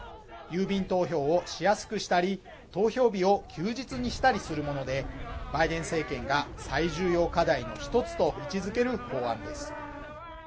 郵便投票をしやすくしたり投票日を休日にしたりするものでバイデン政権が最重要課題の一つと位置づける法案です